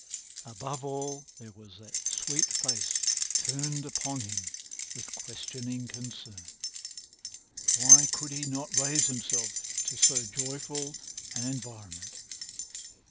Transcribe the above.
Above all, there was that sweet face turned upon him with questioning concern. Why could he not raise himself to so joyful an environment?